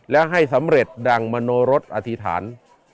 และให้สำเร็จดังมโนรสอธิษฐาน